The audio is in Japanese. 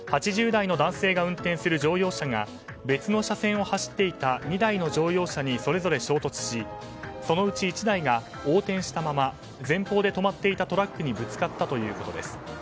８０代の男性が運転する乗用車が別の車線を走っていた２台の乗用車にそれぞれ衝突し、そのうち１台が横転したまま前方で止まっていたトラックにぶつかったということです。